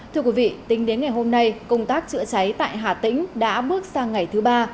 thưa quý vị tính đến ngày hôm nay công tác chữa cháy tại hà tĩnh đã bước sang ngày thứ ba